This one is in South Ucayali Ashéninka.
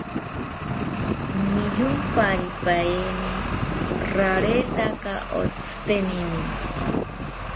Niyomparipaeni raretaka otzitenini